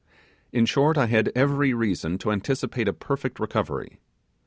In short, I had every reason to anticipate a perfect recovery.